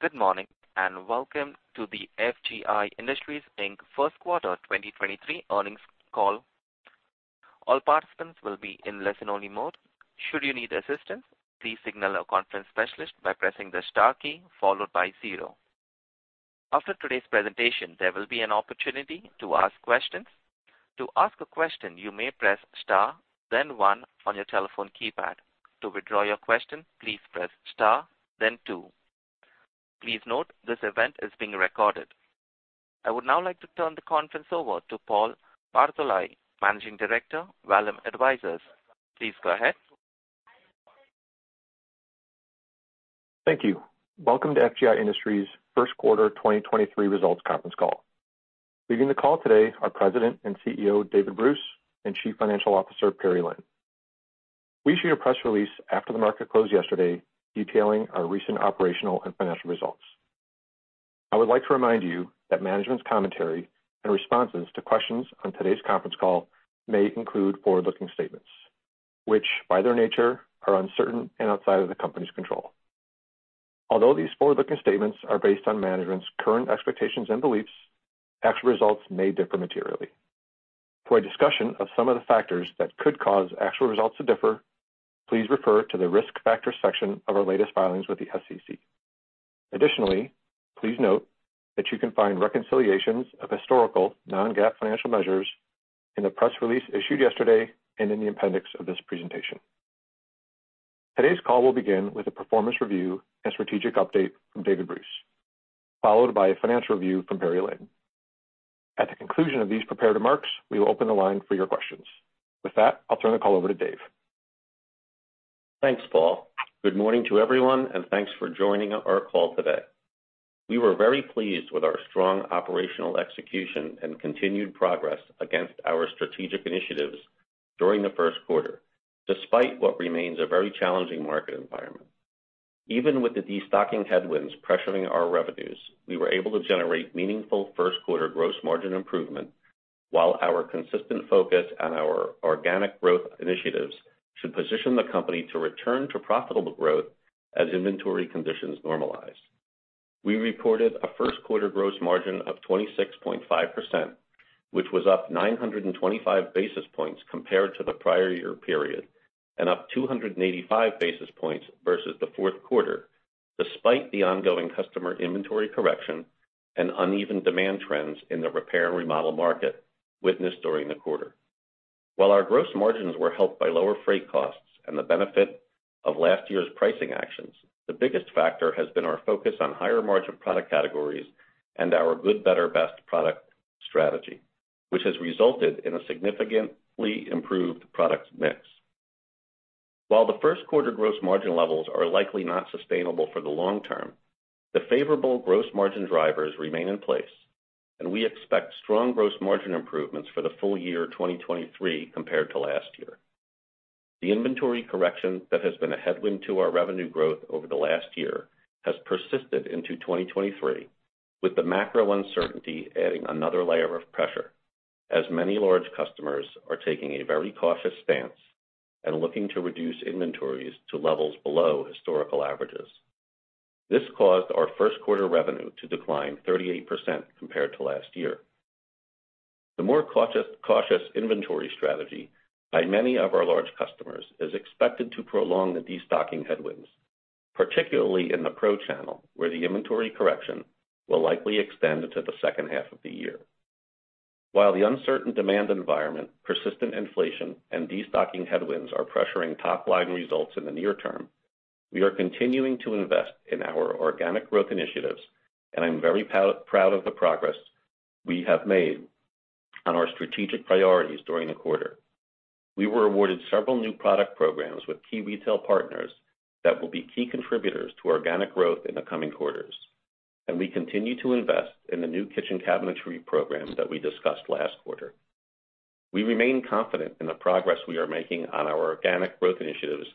Good morning, welcome to the FGI Industries Inc first quarter 2023 earnings call. All participants will be in listen-only mode. Should you need assistance, please signal our conference specialist by pressing the star key followed by zero. After today's presentation, there will be an opportunity to ask questions. To ask a question, you may press star, then one on your telephone keypad. To withdraw your question, please press star then two. Please note this event is being recorded. I would now like to turn the conference over to Paul Bartolai, Managing Director, Vallum Advisors. Please go ahead. Thank you. Welcome to FGI Industries first quarter 2023 results conference call. Leading the call today are President and CEO, David Bruce, and Chief Financial Officer, Perry Lin. We issued a press release after the market closed yesterday detailing our recent operational and financial results. I would like to remind you that management's commentary and responses to questions on today's conference call may include forward-looking statements, which, by their nature, are uncertain and outside of the company's control. Although these forward-looking statements are based on management's current expectations and beliefs, actual results may differ materially. For a discussion of some of the factors that could cause actual results to differ, please refer to the risk factors section of our latest filings with the SEC. Please note that you can find reconciliations of historical non-GAAP financial measures in the press release issued yesterday and in the appendix of this presentation. Today's call will begin with a performance review and strategic update from David Bruce, followed by a financial review from Perry Lin. At the conclusion of these prepared remarks, we will open the line for your questions. I'll turn the call over to Dave. Thanks, Paul. Good morning to everyone, thanks for joining our call today. We were very pleased with our strong operational execution and continued progress against our strategic initiatives during the first quarter, despite what remains a very challenging market environment. Even with the destocking headwinds pressuring our revenues, we were able to generate meaningful first quarter gross margin improvement, while our consistent focus on our organic growth initiatives should position the company to return to profitable growth as inventory conditions normalize. We reported a first quarter gross margin of 26.5%, which was up 925 basis points compared to the prior year period, and up 285 basis points versus the fourth quarter, despite the ongoing customer inventory correction and uneven demand trends in the repair and remodel market witnessed during the quarter. While our gross margins were helped by lower freight costs and the benefit of last year's pricing actions, the biggest factor has been our focus on higher-margin product categories and our good better best product strategy, which has resulted in a significantly improved product mix. While the first quarter gross margin levels are likely not sustainable for the long term, the favorable gross margin drivers remain in place, and we expect strong gross margin improvements for the full year 2023 compared to last year. The inventory correction that has been a headwind to our revenue growth over the last year has persisted into 2023, with the macro uncertainty adding another layer of pressure, as many large customers are taking a very cautious stance and looking to reduce inventories to levels below historical averages. This caused our first quarter revenue to decline 38% compared to last year. The more cautious inventory strategy by many of our large customers is expected to prolong the destocking headwinds, particularly in the pro channel, where the inventory correction will likely extend into the second half of the year. The uncertain demand environment, persistent inflation, and destocking headwinds are pressuring top-line results in the near term, we are continuing to invest in our organic growth initiatives, and I'm very proud of the progress we have made on our strategic priorities during the quarter. We were awarded several new product programs with key retail partners that will be key contributors to organic growth in the coming quarters, we continue to invest in the new kitchen cabinetry program that we discussed last quarter. We remain confident in the progress we are making on our organic growth initiatives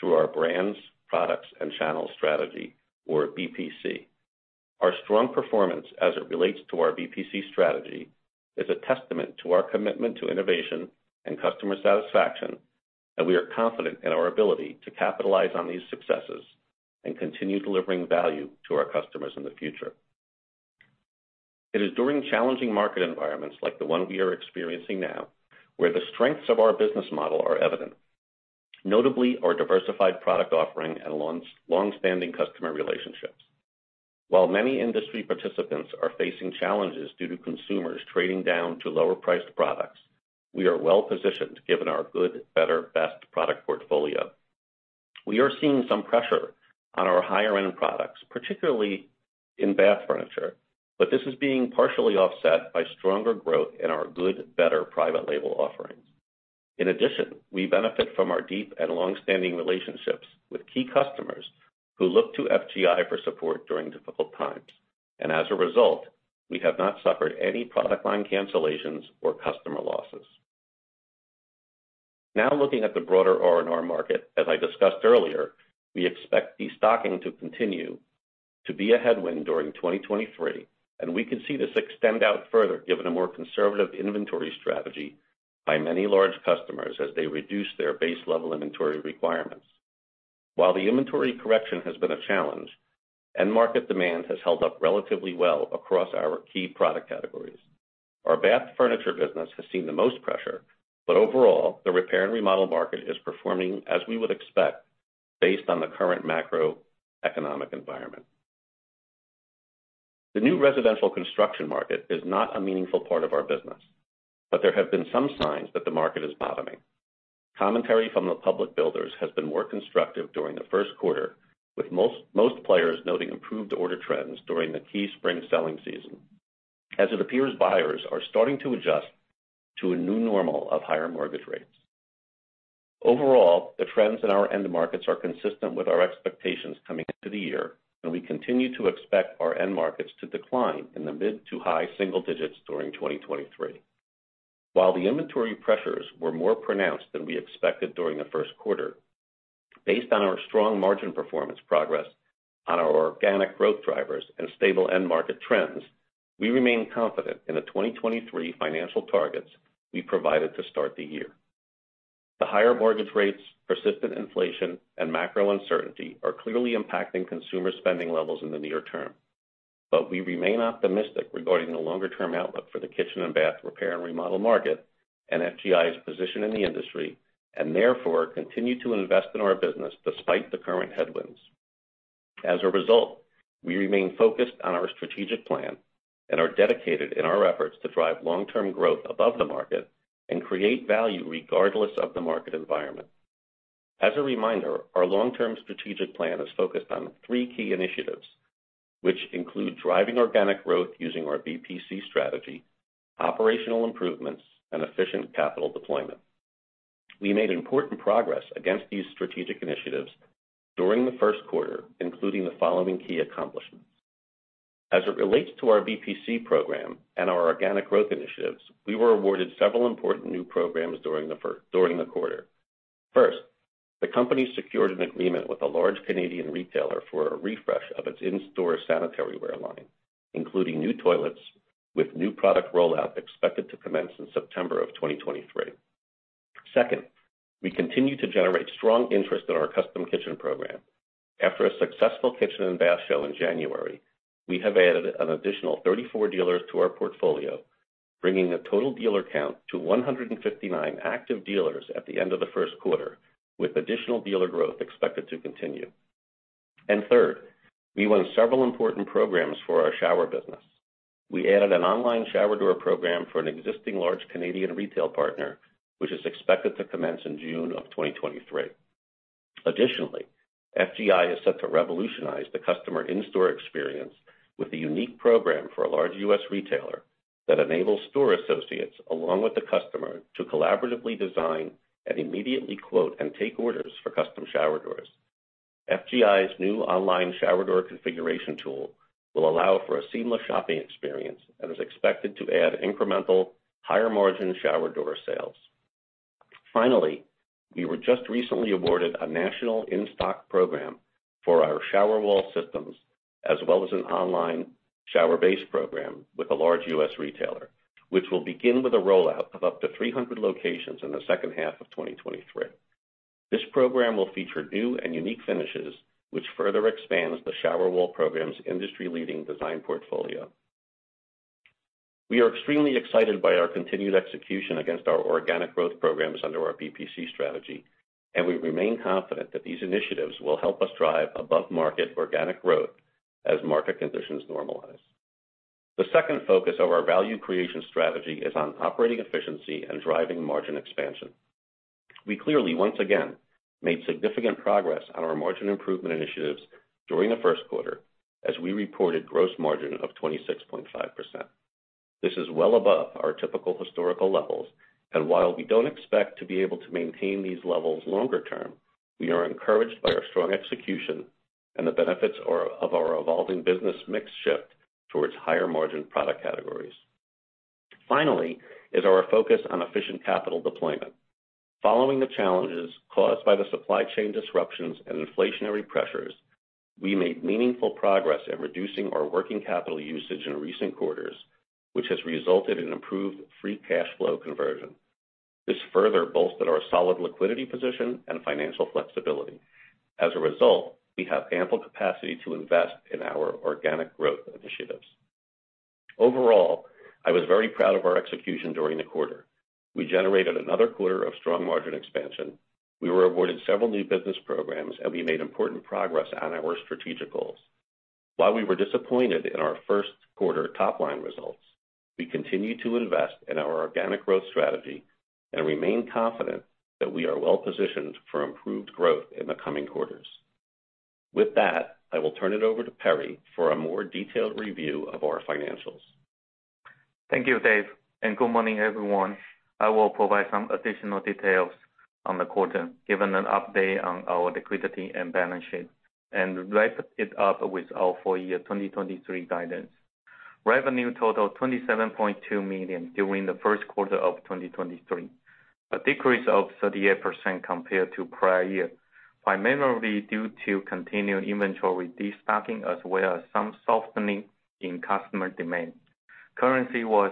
through our brands, products, and channels strategy, or BPC. Our strong performance as it relates to our BPC strategy is a testament to our commitment to innovation and customer satisfaction. We are confident in our ability to capitalize on these successes, and continue delivering value to our customers in the future. It is during challenging market environments like the one we are experiencing now, where the strengths of our business model are evident. Notably, our diversified product offering and longstanding customer relationships. While many industry participants are facing challenges due to consumers trading down to lower-priced products, we are well-positioned given our good better best product portfolio. We are seeing some pressure on our higher-end products, particularly in Bath Furniture. This is being partially offset by stronger growth in our good better private label offerings. In addition, we benefit from our deep and long-standing relationships with key customers who look to FGI for support during difficult times. As a result, we have not suffered any product line cancellations or customer losses. Looking at the broader R&R market, as I discussed earlier, we expect destocking to continue to be a headwind during 2023, and we can see this extend out further given a more conservative inventory strategy by many large customers as they reduce their base level inventory requirements. While the inventory correction has been a challenge, end market demand has held up relatively well across our key product categories. Our Bath Furniture business has seen the most pressure, but overall, the repair and remodel market is performing as we would expect based on the current macroeconomic environment. The new residential construction market is not a meaningful part of our business, but there have been some signs that the market is bottoming. Commentary from the public builders has been more constructive during the first quarter, with most players noting improved order trends during the key spring selling season, as it appears buyers are starting to adjust to a new normal of higher mortgage rates. Overall, the trends in our end markets are consistent with our expectations coming into the year, and we continue to expect our end markets to decline in the mid to high single digits during 2023. While the inventory pressures were more pronounced than we expected during the first quarter, based on our strong margin performance progress on our organic growth drivers and stable end market trends, we remain confident in the 2023 financial targets we provided to start the year. The higher mortgage rates, persistent inflation, and macro uncertainty are clearly impacting consumer spending levels in the near term. We remain optimistic regarding the longer-term outlook for the kitchen and bath repair and remodel market, and FGI's position in the industry, and therefore continue to invest in our business despite the current headwinds. As a result, we remain focused on our strategic plan, and are dedicated in our efforts to drive long-term growth above the market and create value regardless of the market environment. As a reminder, our long-term strategic plan is focused on three key initiatives, which include driving organic growth using our BPC strategy, operational improvements, and efficient capital deployment. We made important progress against these strategic initiatives during the first quarter, including the following key accomplishments. As it relates to our BPC program and our organic growth initiatives, we were awarded several important new programs during the quarter. First, the company secured an agreement with a large Canadian retailer for a refresh of its in-store sanitaryware line, including new toilets with new product rollout expected to commence in September of 2023. Second, we continue to generate strong interest in our custom kitchen program. After a successful Kitchen and Bath Show in January, we have added an additional 34 dealers to our portfolio, bringing the total dealer count to 159 active dealers at the end of the first quarter, with additional dealer growth expected to continue. Third, we won several important programs for our shower business. We added an online shower door program for an existing large Canadian retail partner, which is expected to commence in June of 2023. Additionally, FGI is set to revolutionize the customer in-store experience with a unique program for a large US retailer that enables store associates, along with the customer, to collaboratively design and immediately quote and take orders for custom shower doors. FGI's new online shower door configuration tool will allow for a seamless shopping experience, and is expected to add incremental higher-margin shower door sales. Finally, we were just recently awarded a national in-stock program shower wall systems, as well as an online shower base program with a large US retailer, which will begin with a rollout of up to 300 locations in the second half of 2023. This program will feature new and unique finishes, which further expands the shower wall system's industry-leading design portfolio. We are extremely excited by our continued execution against our organic growth programs under our BPC strategy. We remain confident that these initiatives will help us drive above-market organic growth as market conditions normalize. The second focus of our value creation strategy is on operating efficiency and driving margin expansion. We clearly, once again, made significant progress on our margin improvement initiatives during the first quarter as we reported gross margin of 26.5%. This is well above our typical historical levels. While we don't expect to be able to maintain these levels longer term, we are encouraged by our strong execution and the benefits of our evolving business mix shift towards higher-margin product categories. Finally is our focus on efficient capital deployment. Following the challenges caused by the supply chain disruptions and inflationary pressures, we made meaningful progress in reducing our working capital usage in recent quarters, which has resulted in improved free cash flow conversion. This further bolstered our solid liquidity position and financial flexibility. As a result, we have ample capacity to invest in our organic growth initiatives. Overall, I was very proud of our execution during the quarter. We generated another quarter of strong margin expansion. We were awarded several new business programs, and we made important progress on our strategic goals. While we were disappointed in our first quarter top-line results, we continue to invest in our organic growth strategy and remain confident that we are well positioned for improved growth in the coming quarters. With that, I will turn it over to Perry for a more detailed review of our financials. Thank you, Dave. Good morning, everyone. I will provide some additional details on the quarter, give an update on our liquidity and balance sheet, and wrap it up with our full year 2023 guidance. Revenue totaled $27.2 million during the first quarter of 2023. A decrease of 38% compared to prior year, primarily due to continued inventory destocking as well as some softening in customer demand. Currency was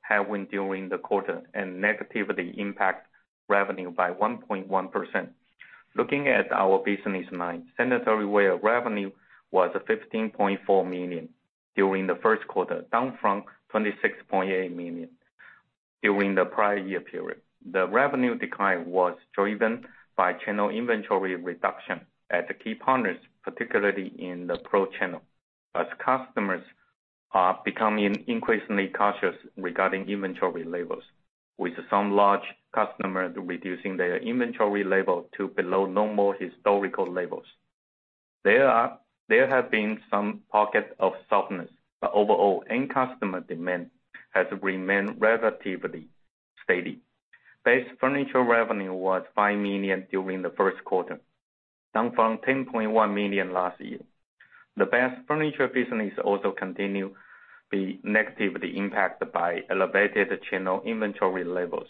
having during the quarter and negatively impact revenue by 1.1%. Looking at our business line, sanitaryware revenue was $15.4 million during the first quarter, down from $26.8 million during the prior year period. The revenue decline was driven by channel inventory reduction at the key partners, particularly in the pro channel, as customers are becoming increasingly cautious regarding inventory levels, with some large customers reducing their inventory level to below normal historical levels. There have been some pockets of softness, but overall, end customer demand has remained relatively steady. Bath Furniture revenue was $5 million during the first quarter, down from $10.1 million last year. The Bath Furniture business also continue be negatively impacted by elevated channel inventory levels,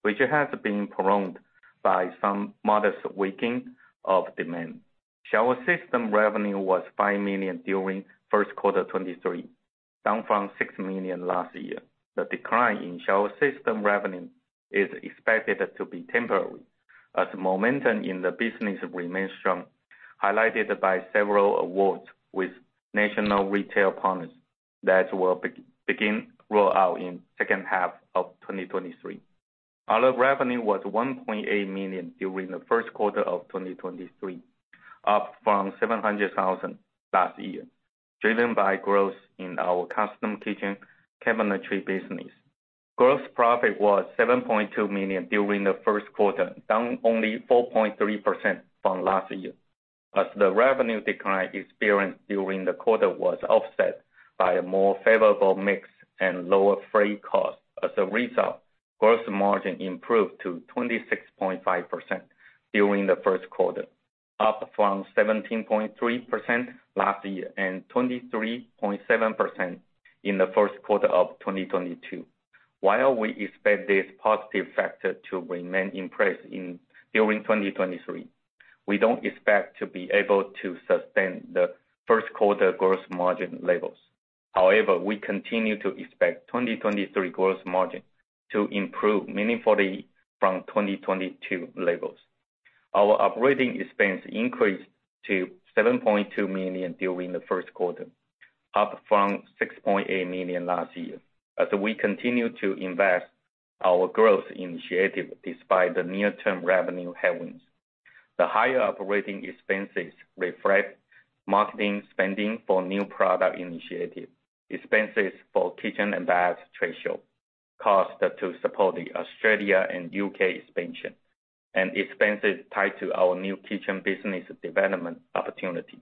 which has been prolonged by some modest weakening of demand. Shower System revenue was $5 million during first quarter 2023, down from $6 million last year. The decline in Shower Systems revenue is expected to be temporary, as momentum in the business remains strong, highlighted by several awards with national retail partners that will begin roll out in second half of 2023. Our revenue was $1.8 million during the first quarter of 2023, up from $700,000 last year, driven by growth in our custom kitchen cabinetry business. Gross profit was $7.2 million during the first quarter, down only 4.3% from last year as the revenue decline experienced during the quarter was offset by a more favorable mix and lower freight costs. As a result, gross margin improved to 26.5% during the first quarter, up from 17.3% last year and 23.7% in the first quarter of 2022. While we expect this positive factor to remain in place during 2023, we don't expect to be able to sustain the first quarter gross margin levels. We continue to expect 2023 gross margin to improve meaningfully from 2022 levels. Our operating expense increased to $7.2 million during the first quarter, up from $6.8 million last year. We continue to invest our growth initiative despite the near-term revenue headwinds. The higher operating expenses reflect marketing spending for new product initiatives, expenses for kitchen and baths trade show, costs to support the Australia and U.K. expansion, and expenses tied to our new kitchen business development opportunity.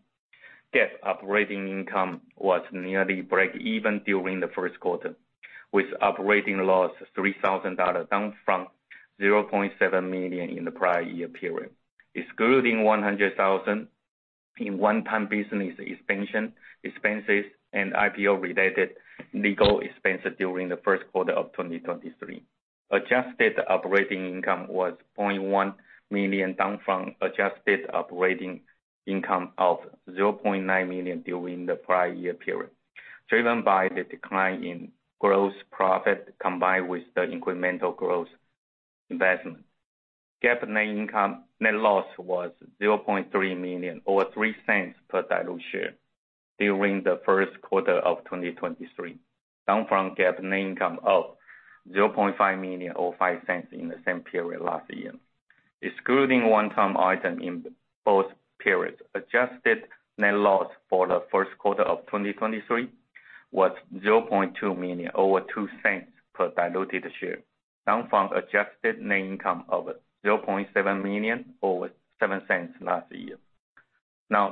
GAAP operating income was nearly breakeven during the first quarter, with operating loss $3,000, down from $0.7 million in the prior year period. Excluding $100,000 in one-time business expansion expenses and IPO-related legal expenses during the first quarter of 2023. Adjusted operating income was $0.1 million, down from adjusted operating income of $0.9 million during the prior year period. Driven by the decline in gross profit combined with the incremental growth investment. GAAP net loss was $0.3 million or $0.03 per diluted share during the first quarter of 2023, down from GAAP net income of $0.5 million or $0.05 in the same period last year. Excluding one-time item in both periods, adjusted net loss for the first quarter of 2023 was $0.2 million or $0.02 per diluted share, down from adjusted net income of $0.7 million or $0.07 last year.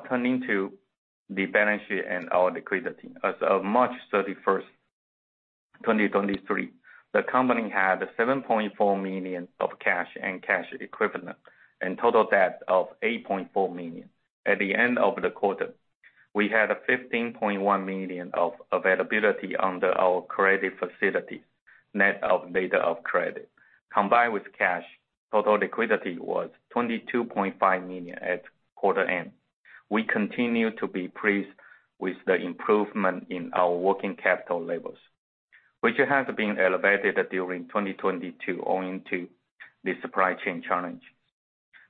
Turning to the balance sheet and our liquidity. As of March 31, 2023, the company had $7.4 million of cash and cash equivalent and total debt of $8.4 million. At the end of the quarter, we had $15.1 million of availability under our credit facility, net of letter of credit. Combined with cash, total liquidity was $22.5 million at quarter end. We continue to be pleased with the improvement in our working capital levels, which has been elevated during 2022 owing to the supply chain challenge.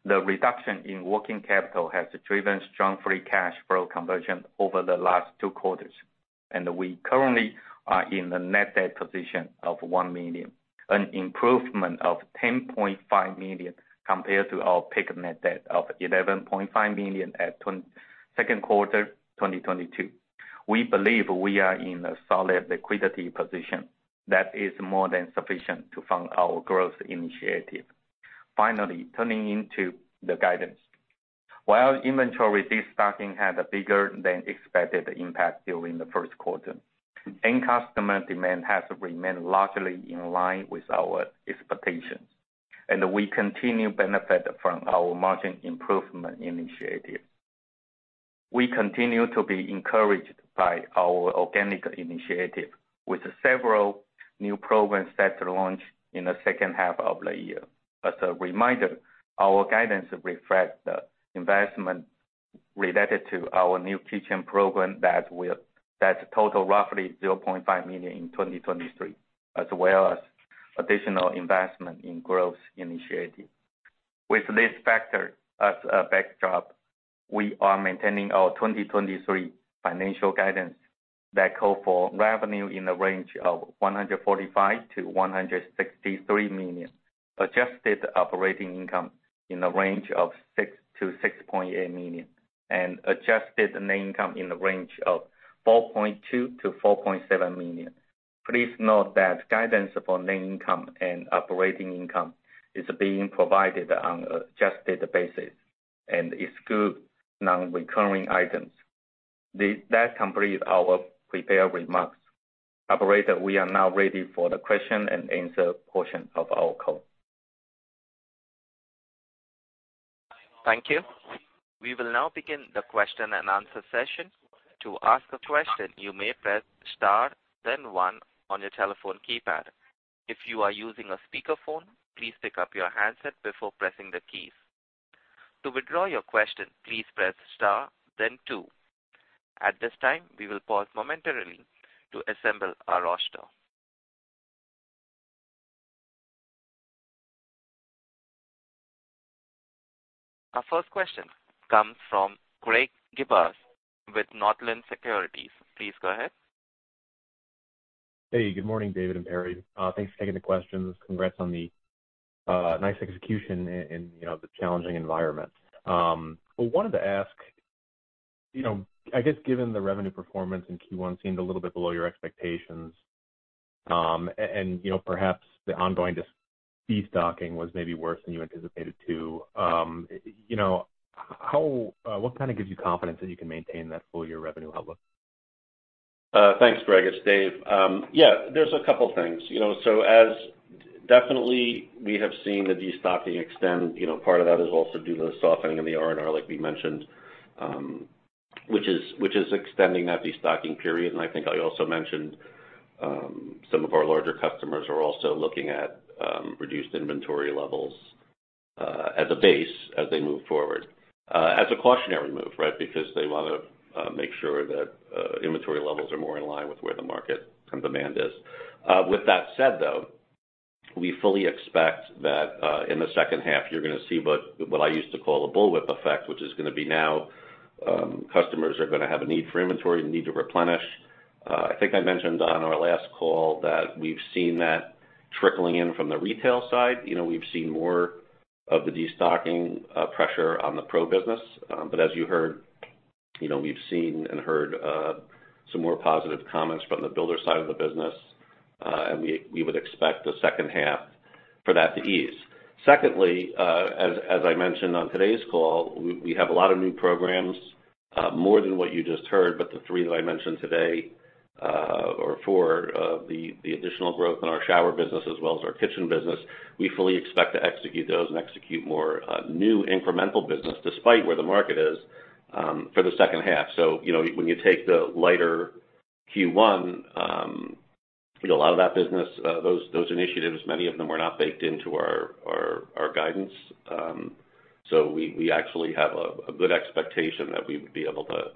The reduction in working capital has driven strong free cash flow conversion over the last two quarters, and we currently are in a net debt position of $1 million, an improvement of $10.5 million compared to our peak net debt of $11.5 million at second quarter 2022. We believe we are in a solid liquidity position that is more than sufficient to fund our growth initiative. Turning into the guidance. While inventory destocking had a bigger-than-expected impact during the first quarter, end customer demand has remained largely in line with our expectations, and we continue to benefit from our margin improvement initiative. We continue to be encouraged by our organic initiative with several new programs set to launch in the second half of the year. As a reminder, our guidance reflect the investment related to our new kitchen program that total roughly $0.5 million in 2023, as well as additional investment in growth initiatives. With this factor as a backdrop, we are maintaining our 2023 financial guidance that call for revenue in the range of $145 million-$163 million. Adjusted operating income in the range of $6 million-$6.8 million and adjusted net income in the range of $4.2 million-$4.7 million. Please note that guidance for net income and operating income is being provided on an adjusted basis and excludes non-recurring items. That completes our prepared remarks. Operator, we are now ready for the question and answer portion of our call. Thank you. We will now begin the question and answer session. To ask a question, you may press star, then one on your telephone keypad. If you are using a speakerphone, please pick up your handset before pressing the keys. To withdraw your question, please press star then two. At this time, we will pause momentarily to assemble our roster. Our first question comes from Greg Gibas with Northland Securities. Please go ahead. Good morning, David and Perry. Thanks for taking the questions. Congrats on the nice execution in, you know, the challenging environment. Well, wanted to ask, you know, I guess given the revenue performance in Q1 seemed a little bit below your expectations, and you know, perhaps the ongoing de-stocking was maybe worse than you anticipated too. You know, how what kind of gives you confidence that you can maintain that full year revenue outlook? Thanks, Greg. It's Dave. Yeah, there's a couple things. You know, as definitely we have seen the de-stocking extend, you know, part of that is also due to the softening in the R&R like we mentioned, which is extending that de-stocking period. I think I also mentioned, some of our larger customers are also looking at reduced inventory levels as a base as they move forward as a cautionary move, right? Because they wanna make sure that inventory levels are more in line with where the market and demand is. With that said, though, we fully expect that in the second half you're gonna see what I used to call a bullwhip effect, which is gonna be now, customers are gonna have a need for inventory, need to replenish. I think I mentioned on our last call that we've seen that trickling in from the retail side. You know, we've seen more of the de-stocking pressure on the pro business. As you heard, you know, we've seen and heard some more positive comments from the builder side of the business, and we would expect the second half for that to ease. Secondly, as I mentioned on today's call, we have a lot of new programs, more than what you just heard, but the three that I mentioned today, or four, the additional growth in our shower business as well as our kitchen business, we fully expect to execute those and execute more new incremental business despite where the market is for the second half. You know, when you take the lighter Q1, you know, a lot of that business, those initiatives, many of them were not baked into our guidance. We actually have a good expectation that we would be able to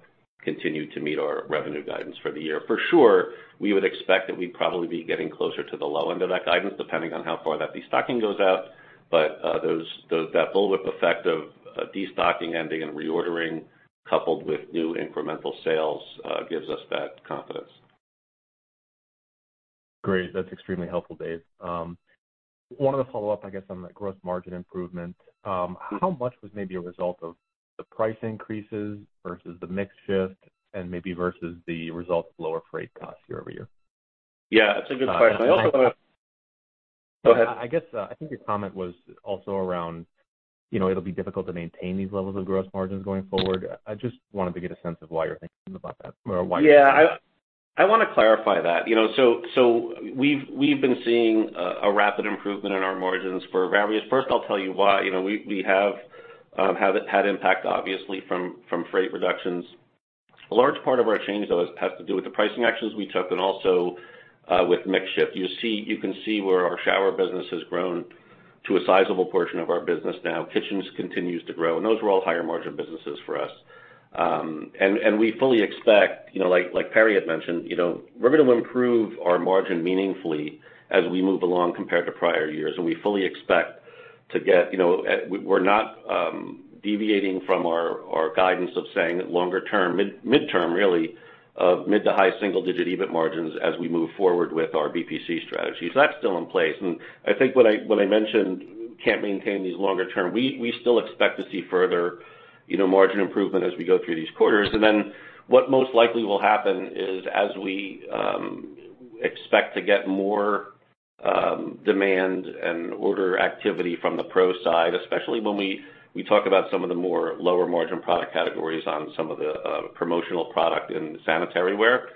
continue to meet our revenue guidance for the year. For sure, we would expect that we'd probably be getting closer to the low end of that guidance, depending on how far that de-stocking goes out. That bullwhip effect of de-stocking ending and reordering coupled with new incremental sales, gives us that confidence. Great. That's extremely helpful, Dave. Wanted to follow up, I guess, on the gross margin improvement. How much was maybe a result of the price increases versus the mix shift, and maybe versus the result of lower freight costs year-over-year? Yeah, that's a good question. Uh, and then- Go ahead. I guess, I think your comment was also around, you know, it'll be difficult to maintain these levels of gross margins going forward. I just wanted to get a sense of why you're thinking about that? Yeah. I wanna clarify that. You know, we've been seeing a rapid improvement in our margins for various... First, I'll tell you why. You know, we have had impact obviously from freight reductions. A large part of our change though has to do with the pricing actions we took and also with mix shift. You can see where our shower business has grown to a sizable portion of our business now. Kitchens continues to grow, and those are all higher margin businesses for us. We fully expect, you know, like Perry had mentioned, you know, we're gonna improve our margin meaningfully as we move along compared to prior years, and we fully expect to get, you know... We're not deviating from our guidance of saying that longer term, midterm really, of mid to high single digit EBIT margins as we move forward with our BPC strategy. That's still in place. I think what I mentioned can't maintain these longer term. We still expect to see further, you know, margin improvement as we go through these quarters. What most likely will happen is as we expect to get more demand and order activity from the pro side, especially when we talk about some of the more lower margin product categories on some of the promotional product in sanitaryware,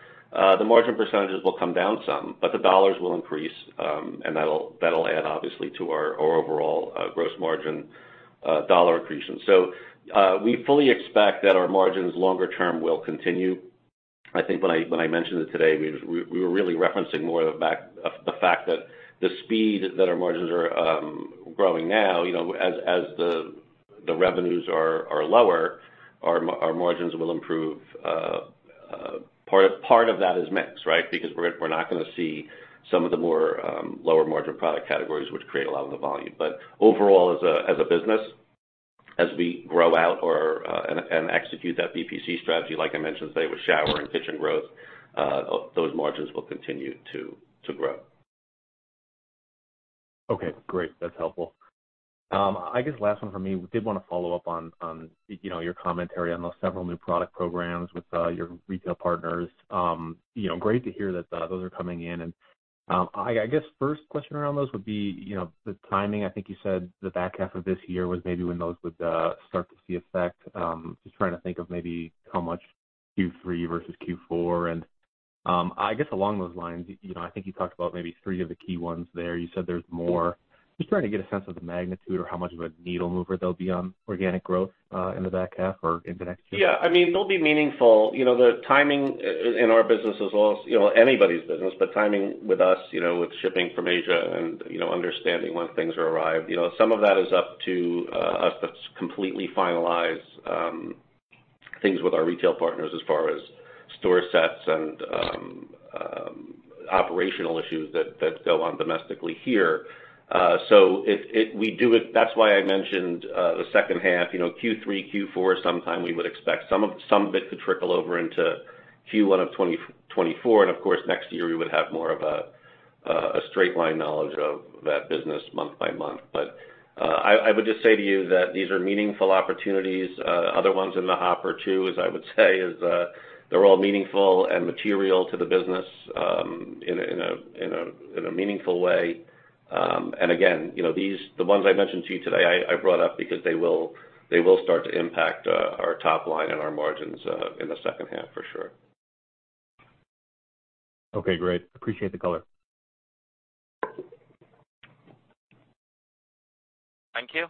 the margin percent will come down some, but the dollars will increase. That'll add obviously to our overall gross margin dollar accretion. We fully expect that our margins longer term will continue. I think when I mentioned it today, we were really referencing more of the fact that the speed that our margins are growing now, you know, as the revenues are lower, our margins will improve. Part of that is mix, right? Because we're not gonna see some of the more lower margin product categories which create a lot of the volume. Overall, as a business, as we grow out or, and execute that BPC strategy, like I mentioned today with shower and kitchen growth, those margins will continue to grow. Okay, great. That's helpful. I guess last one for me. We did wanna follow up on, you know, your commentary on those several new product programs with your retail partners. You know, great to hear that those are coming in. I guess first question around those would be, you know, the timing. I think you said the back half of this year was maybe when those would start to see effect. Just trying to think of maybe how much Q3 versus Q4. I guess along those lines, you know, I think you talked about maybe three of the key ones there. You said there's more. Just trying to get a sense of the magnitude or how much of a needle mover they'll be on organic growth in the back half or into next year? Yeah, I mean, they'll be meaningful. You know, the timing in our business is. You know, anybody's business, timing with us, you know, with shipping from Asia and, you know, understanding when things are arrived. You know, some of that is up to us to completely finalize things with our retail partners as far as store sets and operational issues that go on domestically here. It. That's why I mentioned the second half. You know, Q3, Q4, sometime we would expect some of it to trickle over into Q1 of 2024. Of course, next year we would have more of a straight line knowledge of that business month by month. I would just say to you that these are meaningful opportunities. Other ones in the hopper too, as I would say is, they're all meaningful and material to the business, in a, in a, in a, in a meaningful way. Again, you know, the ones I mentioned to you today, I brought up because they will start to impact our top line and our margins in the second half for sure. Okay, great. Appreciate the color. Thank you.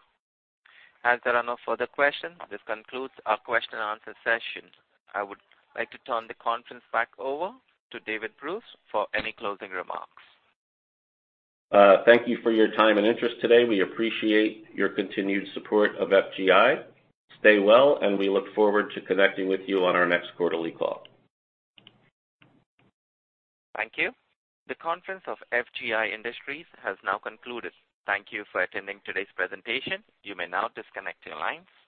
As there are no further questions, this concludes our question and answer session. I would like to turn the conference back over to David Bruce for any closing remarks. Thank you for your time and interest today. We appreciate your continued support of FGI. Stay well. We look forward to connecting with you on our next quarterly call. Thank you. The conference of FGI Industries has now concluded. Thank you for attending today's presentation. You may now disconnect your lines.